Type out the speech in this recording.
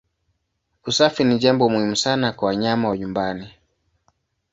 Usafi ni jambo muhimu sana kwa wanyama wa nyumbani.